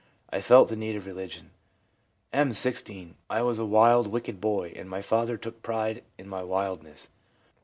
I felt the need of religion/ M., 16. ' I was a wild, wicked boy, and my father took pride in my wildness.